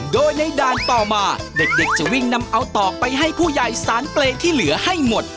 โดยในด่านต่อมาเด็กจะวิ่งนำเอาตอกไปให้ผู้ใหญ่สารเปรย์ที่เหลือให้หมด